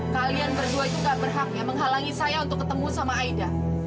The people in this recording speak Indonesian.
kalian berdua itu gak berhak ya menghalangi saya untuk ketemu sama aida